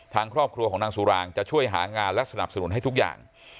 ทางครอบครัวของนางสุรางจะช่วยหางานและสนับสนุนให้ทุกอย่าง